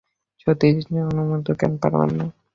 সতীশ অনুনয়ের সহিত বিনয়ের হাত ধরিয়া কহিল, কেন পারবেন না?